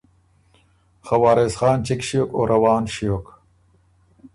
خه وارث خان چِګ ݭیوک او روان ݭیوک۔